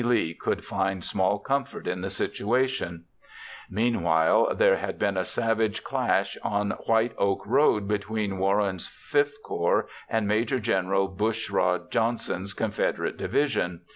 Lee could find small comfort in the situation. [Illustration: Map, Five Forks.] Meanwhile, there had been a savage clash on White Oak Road between Warren's V Corps and Maj. Gen. Bushrod Johnson's Confederate division.